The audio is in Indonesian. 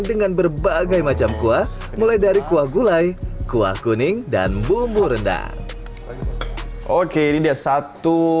dengan berbagai macam kuah mulai dari kuah gulai kuah kuning dan bumbu rendang oke ini dia satu